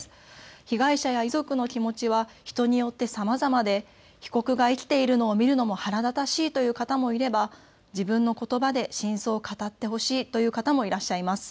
被害者や遺族の気持ちは人によってさまざまで被告が生きているのを見るのも腹立たしいという方もいれば自分のことばで真相を語ってほしいという方もいらっしゃいます。